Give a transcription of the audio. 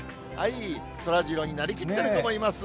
そらジローになりきってる子もいます。